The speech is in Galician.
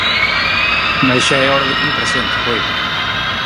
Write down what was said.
Mais xa é hora de que me presente, coido.